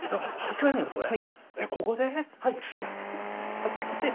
恥ずかしいな。